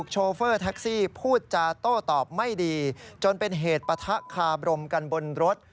เกตปะทะคาบรมกันบนรถ